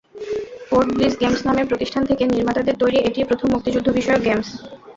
পোর্টব্লিস Games নামের প্রতিষ্ঠান থেকে নির্মাতাদের তৈরি এটিই প্রথম মুক্তিযুদ্ধবিষয়ক গেমস।